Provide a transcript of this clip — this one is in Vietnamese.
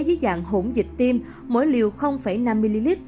dưới dạng hỗn dịch tiêm mỗi liều năm ml